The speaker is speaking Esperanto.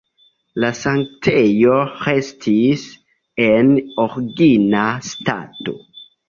La sanktejo restis en origina stato.